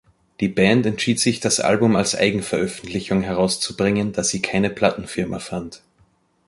Die Band entschied sich das Album als Eigenveröffentlichung herauszubringen, da sie keine Plattenfirma fand.